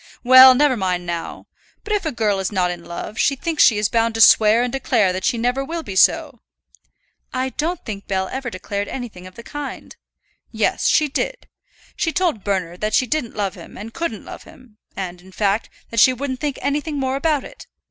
"Well, never mind now. But if a girl is not in love, she thinks she is bound to swear and declare that she never will be so." "I don't think Bell ever declared anything of the kind." "Yes, she did. She told Bernard that she didn't love him and couldn't love him, and, in fact, that she wouldn't think anything more about it.